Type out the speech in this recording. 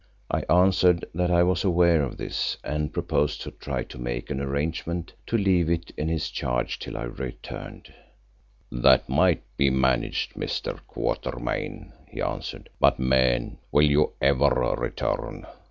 I answered that I was aware of this and proposed to try to make an arrangement to leave it in his charge till I returned. "That might be managed, Mr. Quatermain," he answered. "But, man, will you ever return?